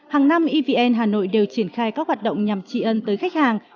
hàng năm evn hà nội đều triển khai các hoạt động nhằm tri ân tới khách hàng